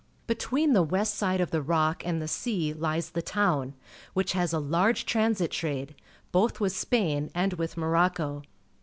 Between the west side of the rock and the sea hes the town, wliich has a large transit trade both with Spain and with IMorocco.